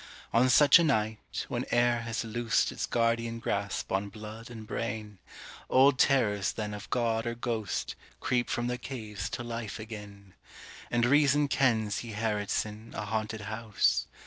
On such a night, when air has loosed Its guardian grasp on blood and brain, Old terrors then of god or ghost Creep from their caves to life again. And reason kens he herits in A haunted house.